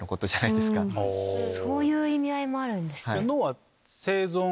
そういう意味合いもあるんですね。